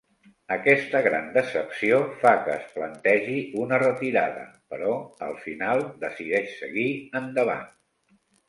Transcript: Aquesta gran decepció fa que es plantegi una retirada, però al final decideix seguir endavant.